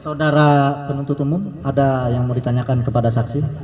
saudara penuntut umum ada yang mau ditanyakan kepada saksi